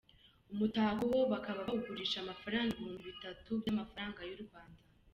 Umutako wo bakaba bawugurisha amafaranga ibihumbi bitatu by’amafaranga y’u Rwanda.